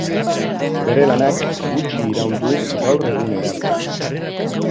Bere lanak gutxi iraun du gaur egunera arte.